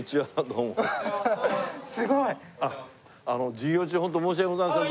授業中ホント申し訳ございません。